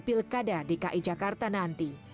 pilkada dki jakarta nanti